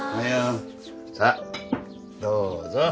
さあどうぞ。